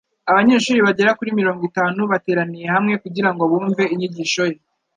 Abanyeshuri bagera kuri mirongo itanu bateraniye hamwe kugirango bumve inyigisho ye